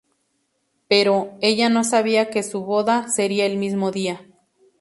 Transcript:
Pero, ella no sabía que su boda sería el mismo día.